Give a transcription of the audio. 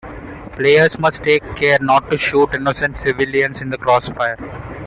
Players must take care not to shoot innocent civilians in the crossfire.